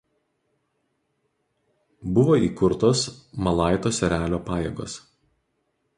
Buvo įkurtos Malaitos erelio pajėgos.